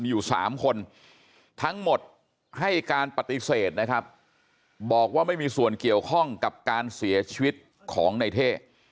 อยู่๓คนทั้งหมดให้การปฏิเสธนะครับบอกว่าไม่มีส่วนเกี่ยวข้องกับการเสียชีวิตของในเท่